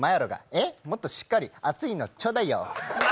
え、もっとしっかり熱いのちょうだいよ。